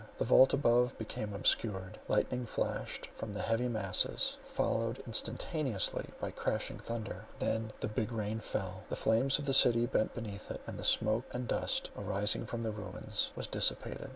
The vault above became obscured, lightning flashed from the heavy masses, followed instantaneously by crashing thunder; then the big rain fell. The flames of the city bent beneath it; and the smoke and dust arising from the ruins was dissipated.